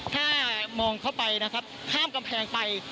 ถ้ามองเข้าไปนะครับข้ามกำแพงไป